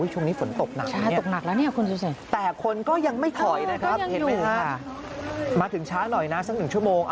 ช่วงนี้ฝนตกหนักนี่แต่คนก็ยังไม่ถอยนะครับเห็นไหมฮะมาถึงช้าหน่อยนะสัก๑ชั่วโมง